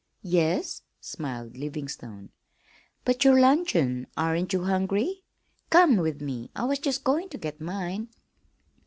"Yes?" smiled Livingstone. "But your luncheon aren't you hungry? Come with me; I was just going to get mine."